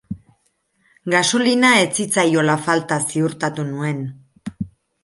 Gasolina ez zitzaiola falta ziurtatu zuen.